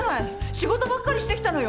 仕事ばっかりしてきたのよ。